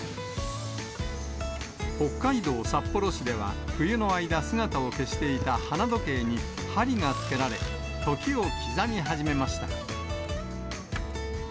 北海道札幌市では、冬の間、姿を消していた花時計に針がつけられ、時を刻み始めました。